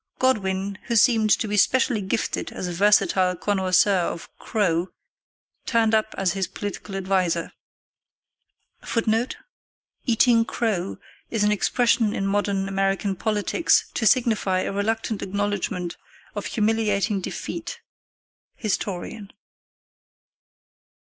Godwin, who seemed to be specially gifted as a versatile connoisseur of "crow,"[A] turned up as his political adviser. [Footnote A: "Eating crow" is an expression common in modern American politics to signify a reluctant acknowledgement of humiliating defeat HISTORIAN.